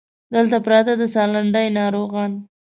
دلته پراته د سالنډۍ ناروغان